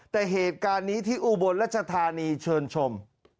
แต่เหตุการณ์นี้ที่อุบลรัชธานีเชิญชม